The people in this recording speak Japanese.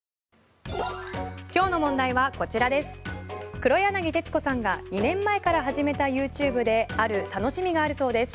黒柳徹子さんが２年前から始めたＹｏｕＴｕｂｅである楽しみがあるそうです。